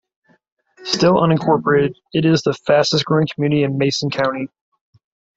Still unincorporated, it is the fastest-growing community in Mason County.